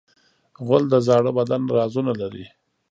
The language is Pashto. غول د زاړه بدن رازونه لري.